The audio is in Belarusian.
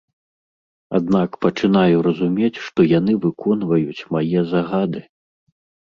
Аднак пачынаю разумець, што яны выконваюць мае загады!